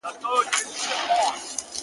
ما دي مخي ته کتلای!.